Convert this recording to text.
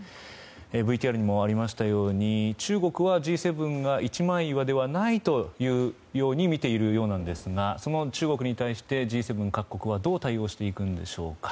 ＶＴＲにもありましたように中国はＧ７が一枚岩ではないというように見ているようですがその中国に対してＧ７各国はどう対応していくんでしょうか。